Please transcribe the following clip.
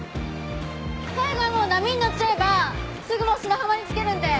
最後はもう波に乗っちゃえばすぐもう砂浜に着けるんで。